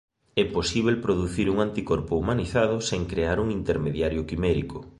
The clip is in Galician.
É posible producir un anticorpo humanizado sen crear un intermediario quimérico.